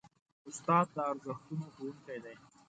استاد د ارزښتونو ښوونکی دی.